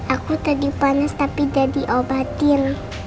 aku tadi panas tapi dia diobatin